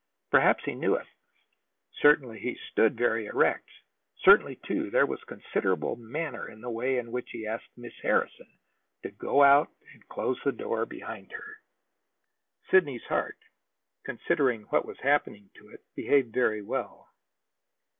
Perhaps he knew it. Certainly he stood very erect. Certainly, too, there was considerable manner in the way in which he asked Miss Harrison to go out and close the door behind her. Sidney's heart, considering what was happening to it, behaved very well.